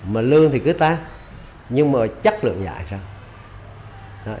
mà lương thì cứ ta nhưng mà chất lượng dạy sao